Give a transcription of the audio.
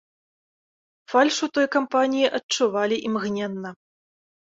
Фальш у той кампаніі адчувалі імгненна.